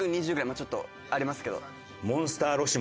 まあちょっとありますけど。